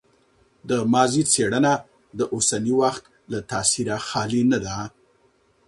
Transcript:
د ماضي څېړنه د اوسني وخت له تاثیره خالي نه ده.